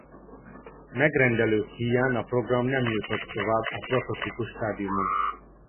Megrendelők híján a program nem jutott tovább a prototípus stádiumon.